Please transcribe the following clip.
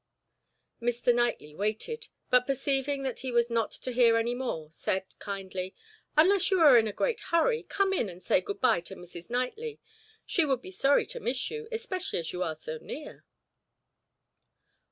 Mr. Knightley waited, but perceiving that he was not to hear any more, said kindly: "Unless you are in a great hurry, come in and say good bye to Mrs. Knightley; she would be sorry to miss you, especially as you are so near."